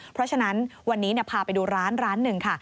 เพราะฉะนั้นวันนี้พาไปดูร้านร้านหนึ่งค่ะ